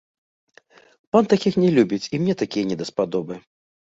Пан такіх не любіць, і мне такія не даспадобы.